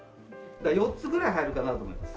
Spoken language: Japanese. ４つぐらい入るかなと思います。